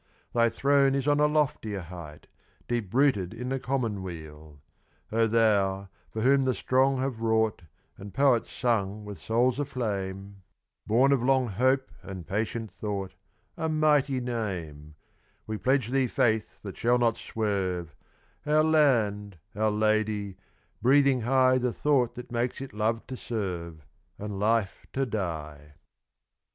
Thy throne is on a loftier height, Deep rooted in the commonweal. O thou, for whom the strong have wrought, And poets sung with souls aflame, Born of long hope and patient thought, A mighty name We pledge thee faith that shall not swerve, Our land, our lady, breathing high The thought that makes it love to serve, And life to die!